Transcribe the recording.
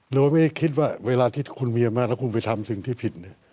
โดยไม่ได้คิดว่าเวลาที่คุณมีอำนาจแล้วคุณไปทำสิ่งที่ผิด